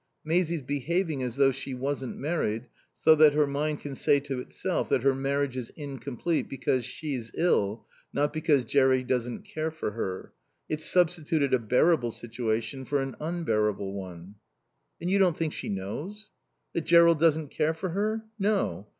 Maisie's behaving as though she wasn't married, so that her mind can say to itself that her marriage is incomplete because she's ill, not because Jerry doesn't care for her. It's substituted a bearable situation for an unbearable one." "Then, you don't think she knows?" "That Jerrold doesn't care for her? No.